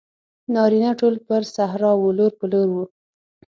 نارینه ټول پر صحرا وو لور په لور وو.